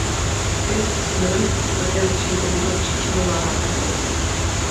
Vědci z univerzity se také začali zabývat příčinou záhadné nemoci.